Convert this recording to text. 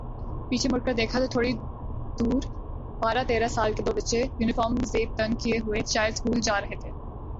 پیچھے مڑ کر دیکھا تو تھوڑی دوربارہ تیرہ سال کے دو بچے یونیفارم زیب تن کئے ہوئے شاید سکول جارہے تھے